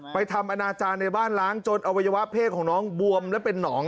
ทำอนาจารย์ในบ้านล้างจนอวัยวะเพศของน้องบวมและเป็นหนอง